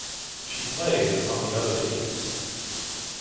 She played on the other team.